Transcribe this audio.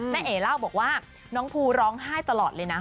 เอ๋เล่าบอกว่าน้องภูร้องไห้ตลอดเลยนะ